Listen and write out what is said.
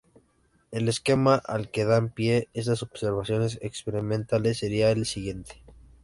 El esquema al que dan pie estas observaciones experimentales sería el siguiente.